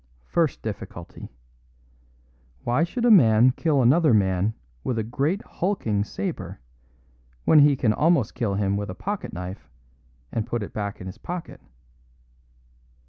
First difficulty: Why should a man kill another man with a great hulking sabre, when he can almost kill him with a pocket knife and put it back in his pocket?